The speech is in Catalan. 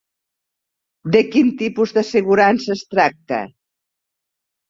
De quin tipus d'assegurança es tracta?